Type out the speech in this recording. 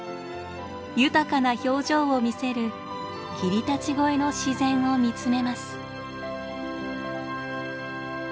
豊かな表情を見せる霧立越の自然を見つめます。